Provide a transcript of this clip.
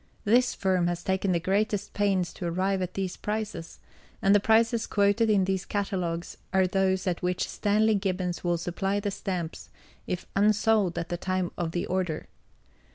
This Firm has taken the greatest pains to arrive at these prices, and the prices quoted in these Catalogues are those at which STANLEY GIBBONS will supply the Stamps if unsold at the time of the order.